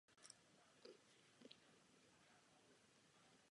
Zde měla divize provádět strážní a cvičné úkoly.